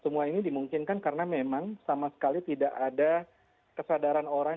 semua ini dimungkinkan karena memang sama sekali tidak ada kesadaran orang